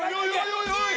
おいおい